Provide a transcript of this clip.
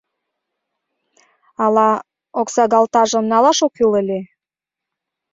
Ала оксагалтажым налаш ок кӱл ыле?